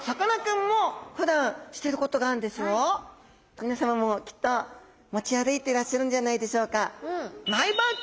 みなさまもきっと持ち歩いていらっしゃるんじゃないでしょうか？